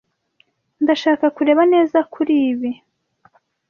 Ndashaka kureba neza kuri ibi.